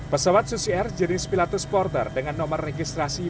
pesawat susi air jenis pilatus porter dengan nomor registrasi